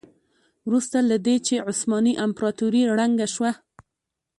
وروسته له دې چې عثماني امپراتوري ړنګه شوه.